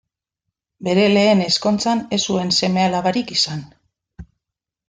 Bere lehen ezkontzan ez zuen seme-alabarik izan.